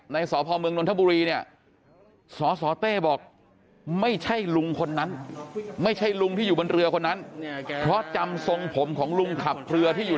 ในสภเมืองนทะบุรี